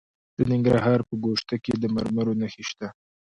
د ننګرهار په ګوشته کې د مرمرو نښې شته.